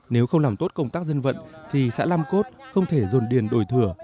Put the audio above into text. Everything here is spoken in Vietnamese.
nếu không làm tốt công tác dân vận thì xã lam cốt không thể dồn điền đổi thừa